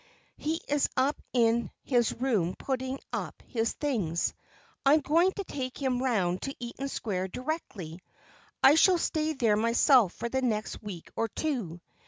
"He is up in his room putting up his things. I am going to take him round to Eaton Square directly. I shall stay there myself for the next week or two.